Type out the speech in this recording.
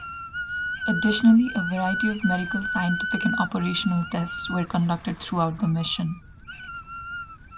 Additionally, a variety of medical, scientific and operational tests were conducted throughout the mission.